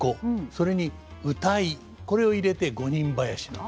それに謡これを入れて五人囃子なんです。